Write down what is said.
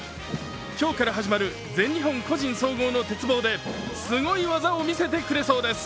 今日から始まる全日本個人総合の鉄棒ですごい技を見せてくれそうです。